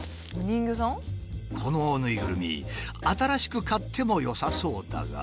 このぬいぐるみ新しく買ってもよさそうだが。